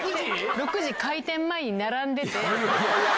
６時開店前に並んでて。